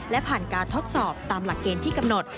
และผ่านการทดสอบตามหลักเกณฑ์ที่กำหนด